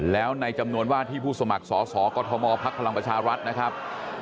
แล้วในจำนวนว่าที่ผู้สมัครสอสอกอทมพักพลังประชารัฐนะครับ